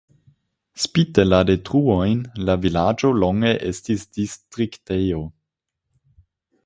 Spite la detruojn la vilaĝo longe estis distriktejo.